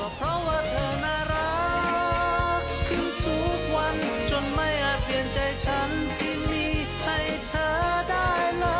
ขอบคุณทุกคนที่ช่วยด้วย